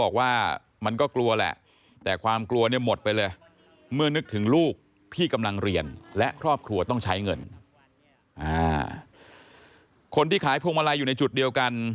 คนที่ขายพวงมาลัยอยู่ในจุดเดียวกัน